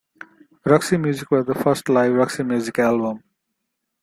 Roxy Music was the first live Roxy Music album.